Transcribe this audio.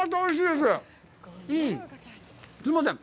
すいません。